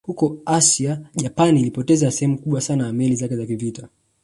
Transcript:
Huko Asia Japan ilipoteza sehemu kubwa sana ya meli zake za kivita